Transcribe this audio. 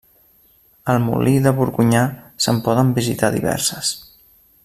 Al Molí de Borgonyà se'n poden visitar diverses.